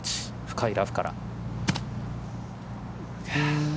深いラフから。